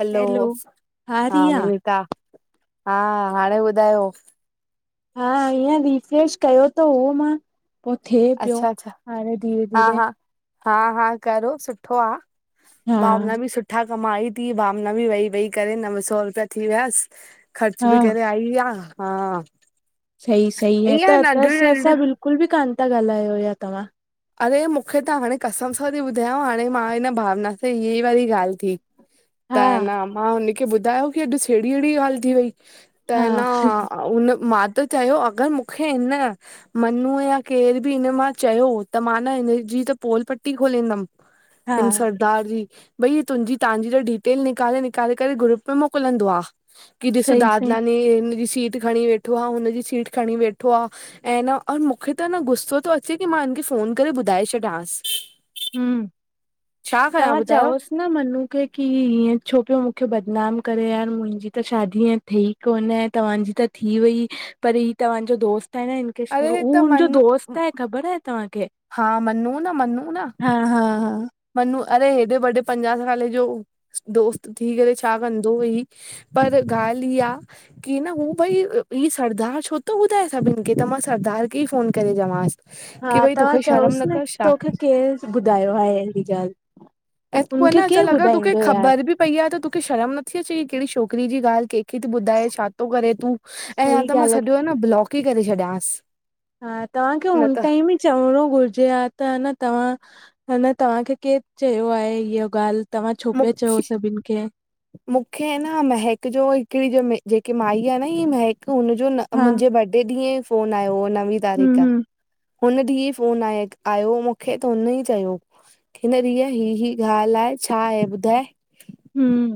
हलो, hello, हा विनिता, हा हाणे ॿुधायो? हा हिंयर रिफ्रेश कयो त हो मां! पोइ थिए पियो अच्छा अच्छा हाणे धीरे हा धीरे! हा हा- हा करो सुठो आ, हा भावना बि सुठी मथा कमाई थी, भावना बि वेइ वेइ करे नव सौ रुपया थी वियसि। ख़र्च हा बि करेआई आ, हा! सही सई आ, ईअं त अत नंढियूं सर सां नंढियूं बिल्कुल बि कोन था ॻाल्हायो या तव्हा? अरे मूंखे त हाणे कसम सां थी ॿुधाांयांव, हाणे मां हिन भावना सां हीअ ई वारी ॻाल्हि थी। त हा अ न, मां हुनखे ॿुधायो कि अॼु स एड़ी एड़ी ॻालहि थी वई। त हा न उ मा त चयो अगरि मूंखे हिन मनू या केर बि इ मां चयो त मां न हिनजी त पोल पटी खोलींदमि, हा हिन स भई तुंहिंजी तहांजी त डिटेल निकाले निकाले करे ग्रुप में मोकिलंदो आ। कि ॾिसो सही सही दादलाानी इ सीट खणी वेठी वेठो आ, हुनजी सीट खणी वेठो आ ऐं न मूंखे त न गुसो थो अचे कि मां हिनखे फोन करे ॿुधाए छॾियांस। हम्म, तव्हां ॿुधायो चओस न मनु के कि हीअं छो पियो मूंखे बदनाम करे, अ़ं मुंहिंजी त शादी थी कोनहे, तव्हांजी त थी वई पर ही तव्हांजो दोस्त आहे न अरे हू त हुनजो मनू दोस्त आहे, ख़बर आहे तहांखे? हा मनू न, मनू न हा हा हा मनू अरे हेॾे वॾे पंजाह साले जो दोस्त थी करे छा कंदो हुअई। पर अगर ॻाल्हि ई आ कि न हू भई ही सरदार छो थो ॿुधाए सभिन खे त मां सरदार खे ई फोन करे चवांसि! हा की भई तां तोखे शर्म चओसि न, अथस छा तोखे केरु ॿुधायो आहे अहिड़ी ॻाल्हि? ऐं तूं ह हुनखे न, चल केरु अगरि तोखे ॿुधाईंदो यार ख़बर बि पई आहे त तोखे शर्म नथी अचे कि कहिड़ी छोकिरी जी ॻाल्हि कंहिंखे थो ॿुधाए, छा थो करे तूं? ऐं या सही त मां ॻाल्हि आहे। सॼो आ न ब्लॉक ई करे छॾियांसि। हा तव्हांखे न हुन त टाइम ई चवणो घुरिजे आं, त अ न तव्हां अन तव्हांखे केरु चयो आहे इहा ॻाल्हि? तव्हां छो पिया चओ सभिन खे? मुंखे न महक जो, हिकिड़ी जेकी माई आहे न ही महक हुनजो हा मुंहिंजे बर्डे ॾींहं ई फोन आयो हो नंवी तारीख़। हम्म हम्म हुन ॾींहुं फोन आय आयो मूंखे त हुन ई चयो। हिन रिया ही- ही ॻाल्हि आहे, छा आहे ॿुधाए?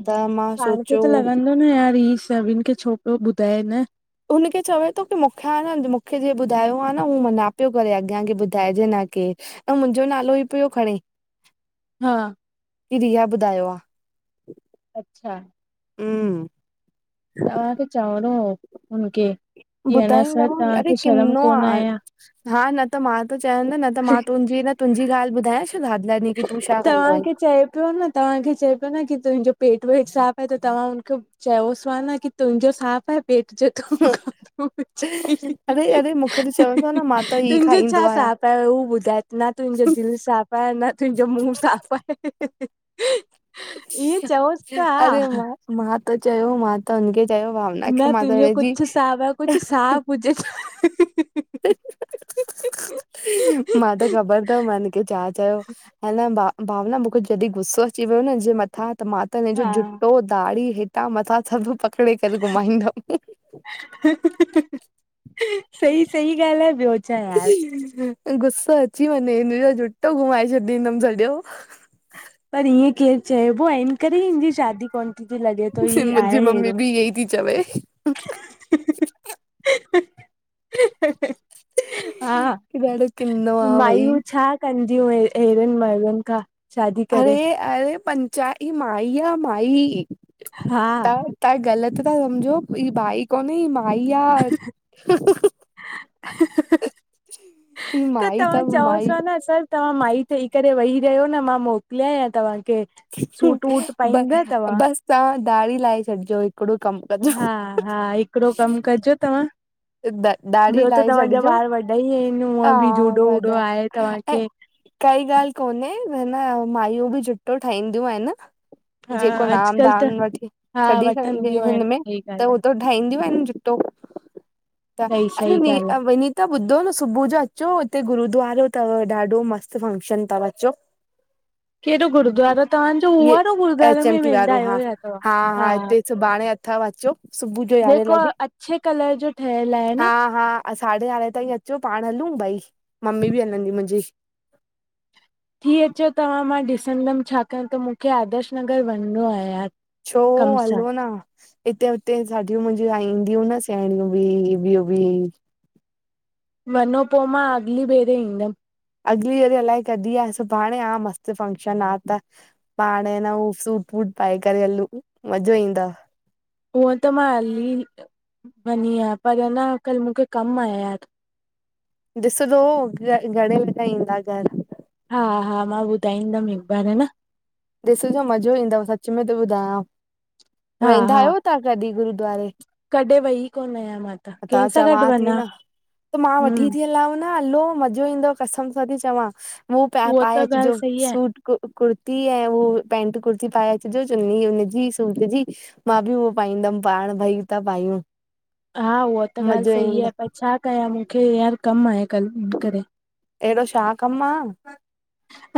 त मां सोचियो न- न यार, ई सभिन खे छो पियो ॿुधाए न! हुनखे चवे थो कि मूंखे आहे न मूंखे जे ॿुधायो आ न हू मना पियो करे अॻियां ॿुधाइजे न के ऐं मुंहिंजो नालो ई पियो खणे। हा कि रिया बु्धायो आ। अच्छा! हम्म तव्हांखे चवणो हो हुनखे, कि अ न स ॿुधाईंदव अरे तव्हांखे शर्म किनो कोन आहे आ हयां हा न त मां त चवां नि न त मां तुंहिंजी, न तुंहिंजी ॻाल्हि ॿुधायांस। हाद लाइनी [inaudible] तव्हांखे चए पियो न तव्हांखे चए पियो न की, तुंहिंजो पेटु-वेटु साफ़ आहे त तव्हां हुनखे चयोसवा ना की तुंहिंजो साफ़ आहें। पेटु जो त खो ह अरे अरे [unintelligible] मूंखे त चवंदो न मां त ई तुंहिंजो छा खाईंदो आहियां साफ़ आये हु ॿुधाए न? तुंहिंजो दिलि साफ़ पर् न तुंहिंजो मुूह साफ़ आए। ई चवोस्ता अरे मां मां त चयो, मां त हुनखे चयो भावना न खे तुंहिंजो मातवर [unintelligible] जी कुझु साफ़ आहे कुझु साफ़ हुजे छा? ह ह खिलण जो आवाज़, मां त ख़बरु थव मा हिन खे छा चयो। हनि भा भावना मूंखे जॾहिं गुस्सो अची वियो न, हिनजे मथां त मां त हिनजो हा जुतो, दाढ़ी, हेठां, मथां सभु पकिड़े करे घुमाईंदमि सही सही ॻाल्हि आए ॿियो छा यार गुस्सो अची वंञे, हिनजो जुटो घुमाए छॾींदमि सॼो। पर इअं केरु चइबो आहे। इन करे हिनी शादी कोन थी थी लॻे थो, हि आहे अहिड़ो इ ई थी चवे। खिलणु जो आवाज़ हा आ की ॾाढो किनो आ भई मायूं छा कंदी अनि, अहिड़नि माण्हूनि का शादी अरे करे। अरे! पंचा ई माई आह माई, हा त। ता ग़लति था सम्झो, ही भाई कोने ही माई आह। अच [unintelligible] स [unintelligible] त तव्हां चओसि न असलु तव्हां माई ठई करे वेईी रहियो न मां मोकिलियां तव्हांखे। के सूट-वूट ब पाईंदा तव्हां। बसि तव्हां दाढ़ी लाए छॾिजो हिकिड़ो कमु कजो। हा हाइ हिकिड़ो कमु कजो तव्हां। द दाढ़ी ॿियो त लाहे तव्हांजा छॾिजो वारि वॾा ई अनि, हा हूअं बि जूडो वॾा वूडो आए ऐं तव्हांखे। काई ॻाल्हि कोने न मायूं बि जुडो ठाईदियूं अनि न। हा जेको नाम अॼुकल्ह दाम त वठी हा छॾी छॾिजे वठंदियूं आहिनि हिनमें सही ॻाल्हि त आहे। उ ठाईदींयूं अनि जूडो त सही अनि सही वि ॻाल्हि अ आहे [unintelligible] त ॿुधो न! सुबुह जो अचो हिते गुरुद्वारो थव ॾाढो मस्तु फंक्शन तव अचो। [inaudible] केडो गुरुद्वारो तवांजो, उह इहे वारो गुरुद्वारे एच एम में टी वेंदा वारो अयो हा या छा तवां हा। हिते सुभाणे अथव अचो। सुबुह जो यारहें जेको लॻे अच्छे कलरु जो ठहियल आहे हा न हा अ साढे यारहें ताईं अचो पाण हलूं भई, मम्मी बि हलंदी मुंजी। थी अचो तवां। मां ॾिसंदमि छाकारि त मूंखे आदर्श नगर वञिणो आए यार। छो कम सां हलो न? हिते हुते साघयूं मुंहिंज ला ईंदियूं न सेङीयूं बि ॿियो बि [unintelligible] मनो, पो मा अगली बेरे ईंदमि। अगली वेरी अलाए कढी आह? सुभांण आह मस्त फंक्शन आह त पाण ना हु सूट फूट पाए करे हलू मज़ो ईंदव। हूअं त मां हली वेदीं। अयां पर अञा कल्ह मूंखे कमु आए ॾिसंदो हु घणे बजे ईंदा घर हा हा मां ॿुधाईंदमि हिकु बार। ह न ॾिसजो मज़ो ईंदोव, मां सच में त ॿुधायांव, हा वेंदा हा आहियो तव्हां कॾहिं गुरुूद्वारे? कॾहिं वई कोन आहियां मां त कंहिंसां गॾु चवां थी वञा न। त मां वठी हम्म थी हलां। न हलो मज़ो ईंदो कसम सां थी चवां, उ प उहो त पाए ॻाल्हि अचजो सही आहे सूट कु कुर्तो। ऐं उहो पेंट कुर्ती पाए अचजो चुन्नी हुनजी सूट जी। मां बि उहो पाईंदमि, पाण भई ता पायूं। हा उहा त ॻाल्हि मज़ो सही ईंदो आहे पर छा कयां मूंखे यार कमु आहे कल्ह, हिन करे। अहिड़ो छा कमु आ?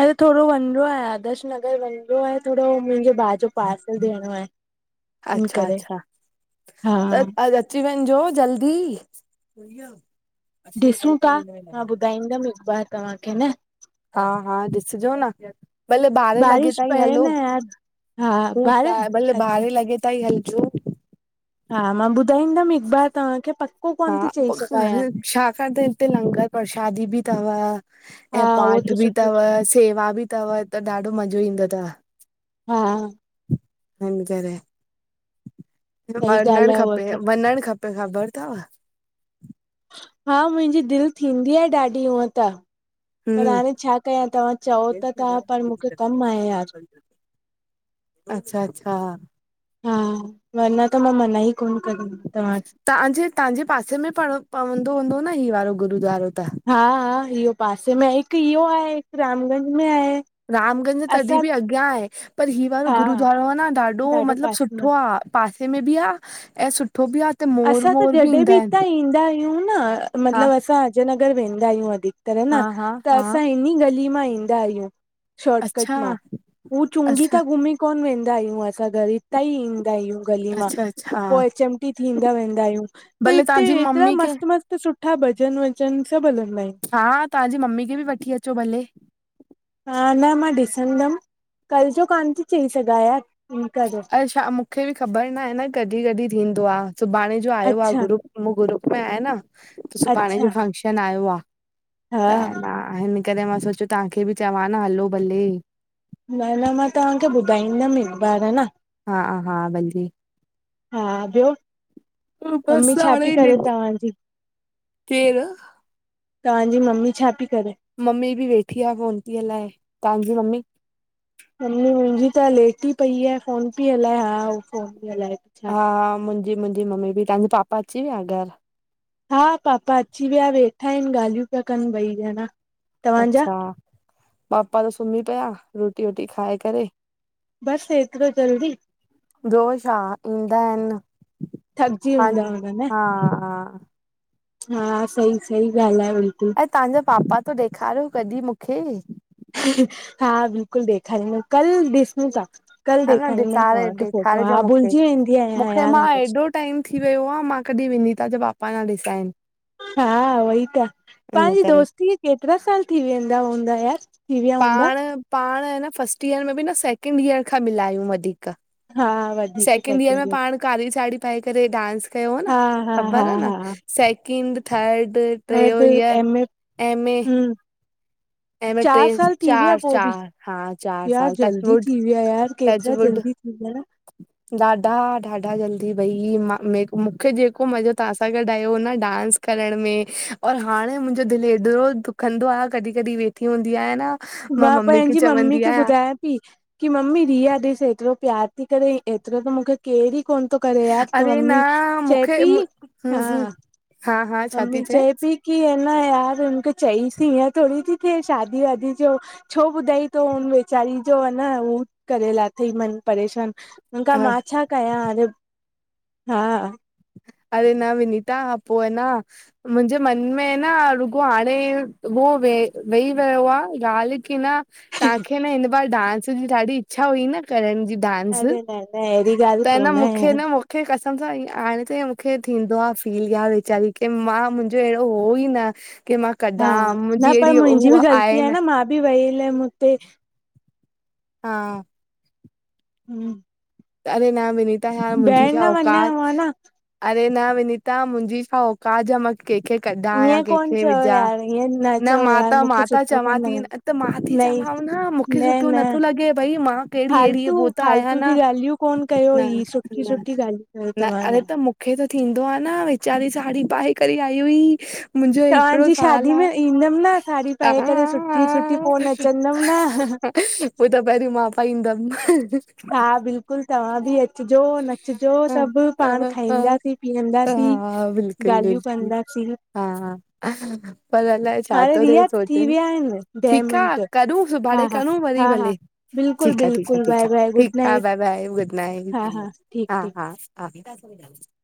अरे थोड़ो वंञणो आहे, आदर्श नगर वंञिणो आहे थोड़ो, मुंहिंजे भाउ जो पार्सल ॾियणो आहे। इन अच्छा- करे अच्छा! हा त अ अची वंञजो जल्दी। ॾिसूं था! मां ॿुधाईंदमि हिकु बार तहांखे, न। हा- हा ॾिसजो न, भले ॿारहें लॻे बारिश ताईं पए हलो! न यार हा हूूं बारे त भले अच्छा ॿारें लॻे तांई हलजो! हा, मां ॿुधाईंदमि हिकु बार तहांखे पक हा शाखा [unintelligible] हिते लंगर प्रसादी बि तव हा ऐं उहो पाठ त बि सुठो तव, सेवा बि तव त ॾाढो मज़ो ईंदो तव। हा हिन करे, सही वञणु ॻाल्हि आहे उहा त खपे- वञणु खपे। त ख़बर थव हा मुंहिंजी दिल थींदी आहे ॾाढी ऊअं त। पर हम हाणे छा कयां, तव्हां चओ त ता पर मूंखे कमु आहे यार। अच्छा- अच्छा! हा धरना त मां मना ई कोन कंन तव्हांखे। तहांजे, तहांजे पासे में प पवंदो हूंदो न ही वारो गुरुूद्वारो त? हा हा इयो पासे में आहे, हिकु इहो आहे, गं। हिकु रामगंज में आहे रामगंज तॾहिं असां बि अॻियां आहे पर हीउ वारो हा गुरुद्वारो आ न ॾाढो मतिलबु पासे सुठो में आ। पासे में बि आ ऐं सुठो बि आ त मोर असां त वोर जॾहिं ईंदा बि आहिनि हितां ईंदा आहियूं न हा मतिलबु असां अजय नगर वेंदा आहियूं अधिक तर न हा हा त हा असां इन्हिं गली मां ईंदा आहियूं। शोर्टकट अच्छा मां, हू चूंंगी अच्छा ता घुमी कोन वेंदा आहियूं, असां घर इतांई ईंदा आहियूं गली मां अच्छा अच्छा पो हा थींदा, वेंदा आहियूं त भले हिते तव्हांजी एतिरा मम्मी खे मस्त मस्त सुठा भॼन वॼन सभु हलंदा आहिन। हा तहांजी मम्मी खे बि वठी अचो भले। हा, न मां ॾिसंदमि, कल जो कॉन थी चई सघां‌ यार। इन करे अच्छा मूंखे बि ख़बर ना आहे न कॾि कॾि थींदो आ। सुभांणे अॼ आयो आ अच्छा ग्रुप, ग्रुप में आयां न सुभांणे अच्छा जो फंक्शन आयो आ। हा त न हिन करे मां सोचियो तहांखे बि चवां न हलो भले। न न, मां तव्हांखे ॿुधाईंदमि हिकु बार। ह न हा हा भल्ली। हा ॿियो मम्मी बसि छा पई करे हाणे तहांजी? केरु? तहांजी मम्मी छा पई करे? मम्मी बि वेठी आ फोन ती हलाए। तहांजी मम्मी मम्मी मुंहिंजी त लेटी पई आ, फोन पई हलाए, हा उथो ॻालायो। हा, मुंहिंजी- मुंहिंजी मम्मी बि, तव्हांजा पापा अची विया घर? हा, पापा अची विया, वेठा आहिनि, ॻाल्हियूं पिया कनि ॿई ॼणा। तव्हांजा अच्छा, पापा त सुम्ही पिया रोटी वोटी खाए करे। बसि एतिरो जल्दी? ॿियो छा? ईंदा आहिनि, थकिजी हूंदा पांजी हूंदा न हा- हा। हा, सही -सही ॻाल्हि आ वरी। अ तव्हांजा पापा त ॾेखारियो कॾीं मूंखे? हा, बिल्कुलु ॾेखारिंदमि कल ॾिसूं ता। कल्ह ह न ॾेखारींदमि ॾिसारे तव्हांखे फोटो, ॾेखारिजो हा मूंखे। भुलिजी वेंदी आहियां, मूंखे यार मां हमेशा। एॾो टाइम थी वियो आ मां कॾीं विनीता जा पापा न ॾिसाइन। हा उहई त, इन पंहिंजी करे। दोस्ती केतिरा साल थी वेंदा हूंदा यार? थी विया हूंदा पाण -पाण अ न फस्ट ईयर में बि न, सैकेंड ईयर खां मिलायूं वठी। सेकेंड ईयर में पाण कारी साढ़ी पाए करे डांस कयो न, हा हा हा ख़बर आ न, हा सेकंड, थर्ड ट्रयो‌ third year M A M A हम्म ए में ट्रै, चार साल थी विया चार पोइ बि -चार हा चार यार साल तकवुड टचवुड, ह [unintelligible] ॾाढा ॾाढा जल्दी भई मां मूं मूंखे जेको मज़ो तव्हां सां गॾु आयो हो न डांस करण में, और हाणे मुंहिंजो दिलि हेतिरो दुखंदो आ कॾीं कॾीं वेठी हूंदी आयां न, मां मम्मी खे पंहिंजी मम्मी चवंदी खे आहियां ॿुधायां कि की मम्मी रिया ॾिस एतिरो प्यार ती करे एतिरो त मूंखे केडी कोन तो करे यादि त अरे न मम्मी मूंखे चेपी हूं हा हूं - - हा हा छा मम्मी थी चए पई की न यार मूंखे चईस ती हीअं थोड़ी थी कि शादी वादी जो - - छो ॿुधाई त हुन वेचारी जो आ न हू करे लाथई मन परेशान - - हून खा मां छा कयां? अॼ हा। अरे न विनीता हा पो एना - - मुंहिंजे मन में न रुॻो हाणे ओ वेई वेई रयो आ ॻाल्ह की न - - तव्हांखे न हिन बार डांस जी ॾाढी इच्छा हुई न करण जी - - डांस, अरे न न अहिड़ी ॻाल्हि त न कोन आहे मूंखे यार। न मूंखे कसम सां - - उते मूंखे थींदो आ फील यार वेचारी खे मां मुंहिंजो अहिड़ो हो ई न की मां - - हा कॾां न मुंहिंजी पर अहिड़ी मुंहिंजी बि उह ग़लती आहे न - - मां बि वईल मते - - हा। हम्म - - अरे न वीनिता यार मुंहिंजी छा न वञा औकात, हुआ न अरे न वीनिता मुंहिंजी छा औ कात जा मां कंहिंखे कढां, यां ईअं कोन कंहिंखे चयो विझा, यार ईअं न चयो मां यार त मां मूंखे त सुठो चवां कोन ती न लॻंदो - - त मां ती नई चवांव न मूंखे सुठो नथो लॻे, भई मां कहिड़ी अहिड़ी हो त आहियां न, फ़ोन कयो न हुयईं सुठी सुठी ॻाल्हियूं कयो तव्हां इयं - - मुंखे त थींदो आ न वेचारी साड़ी पाए करे आई हुई - - मुंहिंजो हिकिड़ो तव्हांजी साल शादी आ में - - ईंदमि न साड़ी पाए करे सुठी सुठी पो नचंदमि न उ त पहिरीं मां पाईंदम - - हा बिल् बिलकुलु तव्हां बि अचिजो- नचजो, हा सभु पाण खाईंदासीं- पीअंदासीं, बिल्कुल ॻाल्हियूं बिल्कुल कंदासीं - - हा -हा, पर अलाए छा हाणे तो थे, रिया थी सोचन विया आहिनि ॾह ठीक आ मिंट - - करू हा सुभाणे हा करू वरी हा हा भले, बिल्कुलु ठीक आ, ठीक आ, बिल्कुलु ठीक बाए आ, बाए ठीक गुड आ, नाइट बाए बाए। हा न हा [unintelligible] ठीकु ठीकु हा हा [unintelligible]